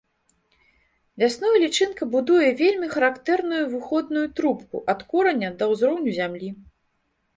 Вясной лічынка будуе вельмі характэрную выходную трубку ад кораня да ўзроўню зямлі.